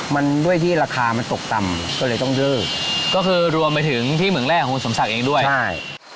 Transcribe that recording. มันด้วยที่ราคามันตกต่ำก็เลยต้องเลิกก็คือรวมไปถึงที่เหมืองแรกของคุณสมศักดิ์เองด้วยใช่